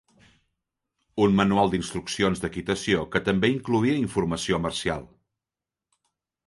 Un manual d'instruccions d'equitació que també incloïa informació marcial.